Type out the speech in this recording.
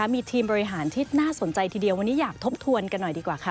มีทีมบริหารที่น่าสนใจทีเดียววันนี้อยากทบทวนกันหน่อยดีกว่าค่ะ